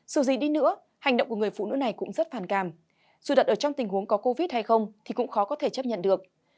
dù gì đi nữa hành động của người phụ nữ này cũng rất phản cảm dù đặt ở trong tình huống có covid hay không thì cũng khó có thể chấp nhận được